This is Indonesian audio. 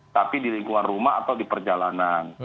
tapi di lingkungan rumah atau di perjalanan